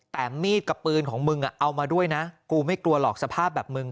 แต่มีดกับปืนของมึงเอามาด้วยนะกูไม่กลัวหรอกสภาพแบบมึง